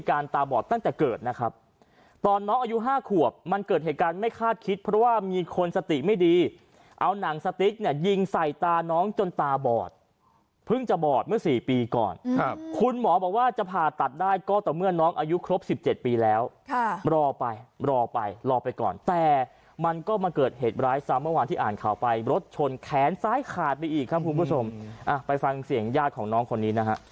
การไม่คาดคิดเพราะว่ามีคนสติไม่ดีเอานางสติกเนี่ยยิงใส่ตาน้องจนตาบอดเพิ่งจะบอดเมื่อสี่ปีก่อนครับคุณหมอบอกว่าจะผ่าตัดได้ก็ตั้งเมื่อน้องอายุครบสิบเจ็ดปีแล้วค่ะรอไปรอไปรอไปก่อนแต่มันก็มาเกิดเหตุร้ายซ้ำเมื่อวานที่อ่านข่าวไปรถชนแขนซ้ายขาดไปอีกครับคุณผู้ชมอ่ะไปฟังเสียงญาติของน